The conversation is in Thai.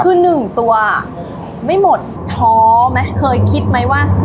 คือหนึ่งตัวไม่หมดท้อไหมเคยคิดไหมว่า